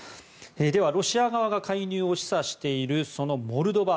では、ロシア側が介入を示唆しているそのモルドバ。